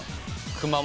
熊本。